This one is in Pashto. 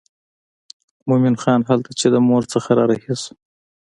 مومن خان هلته چې د مور څخه را رهي شو.